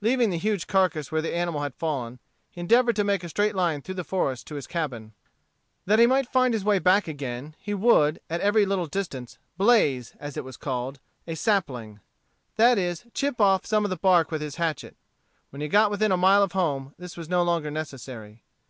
Leaving the huge carcass where the animal had fallen, he endeavored to make a straight line through the forest to his cabin. That he might find his way back again, he would, at every little distance, blaze, as it was called, a sapling, that is, chip off some of the bark with his hatchet. When he got within a mile of home this was no longer necessary.